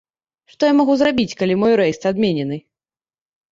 Што я магу зрабіць, калі мой рэйс адменены?